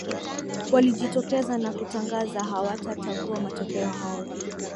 walijitokeza na kutangaza hawatatagua matokeo hayo